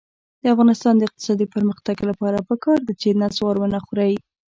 د افغانستان د اقتصادي پرمختګ لپاره پکار ده چې نصوار ونه خورئ.